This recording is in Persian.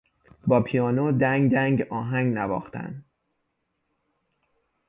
با پیانو دنگدنگ آهنگ نواختن